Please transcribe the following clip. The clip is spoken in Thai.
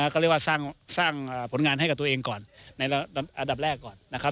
ก็เรียกว่าสร้างผลงานให้กับตัวเองก่อนในอันดับแรกก่อนนะครับ